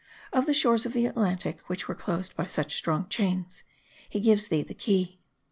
Of the shores of the Atlantic, which were closed by such strong chains, he gives thee the key.